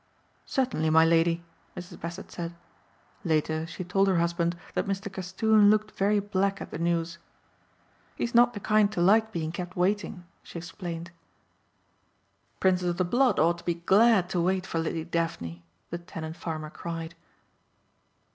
"Certainly, my Lady," Mrs. Bassett said. Later she told her husband that Mr. Castoon looked very black at the news. "He's not the kind to like being kept waiting," she explained. "Princes of the Blood ought to be glad to wait for Lady Daphne," the tenant farmer cried.